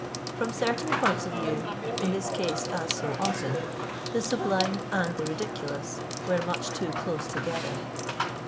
From certain points of view, in this case as so often, the sublime and the ridiculous were much too close together.